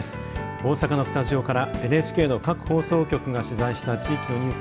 大阪のスタジオからＮＨＫの各放送局が取材した地域のニュース